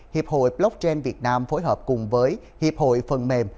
hiệp hội blockchain việt nam phối hợp cùng với hiệp hội phần mềm